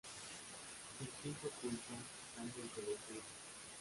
En quinto curso cambia al colegio Alemán.